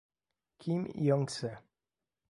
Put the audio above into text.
Kim Yong-se